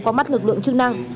qua mắt lực lượng chức năng